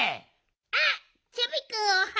あっチョビくん